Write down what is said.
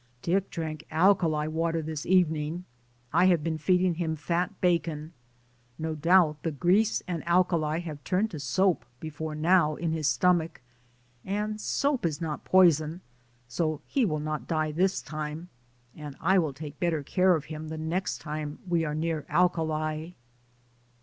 Dick drank alkali water this evening. I have been feeding him fat bacon; no doubt the grease and alkali have turned to soap before now in his stomach, and soap is not poison, so he will not die this time, and I will take better care of him the next time we are near alkali.